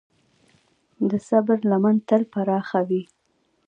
د صبر لمن تل پراخه وي.